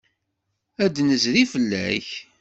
Ad d-nezri fell-ak.